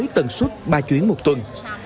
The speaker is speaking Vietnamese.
lần suốt ba chuyến một tuần